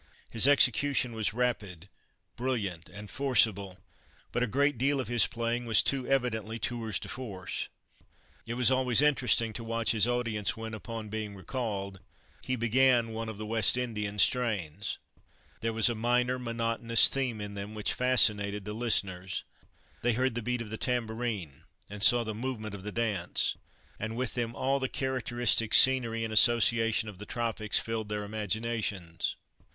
His execution was rapid, brilliant, and forcible, but a great deal of his playing was too evidently tours de force. It was always interesting to watch his audience, when, upon being recalled, he began one of the West Indian strains. There was a minor monotonous theme in them which fascinated the listeners. They heard the beat of the tambourine, and saw the movement of the dance, and with them all the characteristic scenery and association of the tropics filled their imaginations.